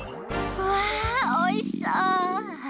わあおいしそう。